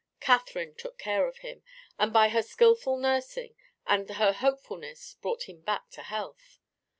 Catherine took care of him, and by her skilful nursing and her hopefulness brought him back to health.